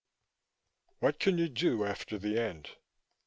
What can you do after the end?